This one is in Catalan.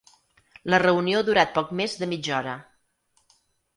La reunió ha durat poc més de mitja hora.